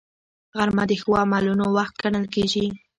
غرمه د ښو عملونو وخت ګڼل کېږي